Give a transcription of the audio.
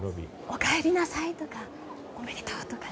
お帰りなさい！とｋおめでとう！とかね。